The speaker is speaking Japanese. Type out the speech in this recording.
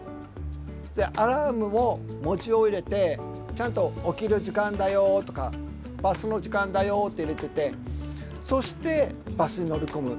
アラームも文字を入れてちゃんと「起きる時間だよ」とか「バスの時間だよ」って入れててそしてバスに乗り込む。